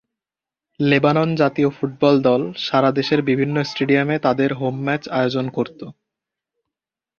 Lebanon জাতীয় football দল সারা দেশের বিভিন্ন স্টেডিয়ামে তাদের হোম ম্যাচ আয়োজন করতো।